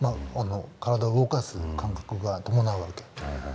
体を動かす感覚が伴うわけ。